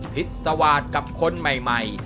ผิดสวาดกับคนใหม่